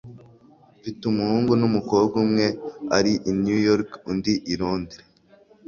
mfite umuhungu n'umukobwa. umwe ari i new york, undi i londres